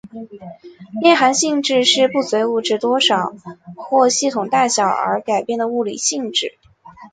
内含性质是不随物质多少或系统大小而改变的物理性质。